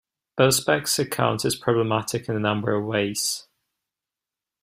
Busbecq's account is problematic in a number of ways.